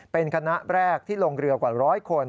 เป็นคณะแรกที่ลงเรือกว่าร้อยคน